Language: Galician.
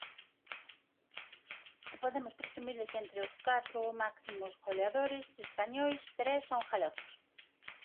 E podemos presumir de que, entre os catro máximos goleadores españois, tres son galegos.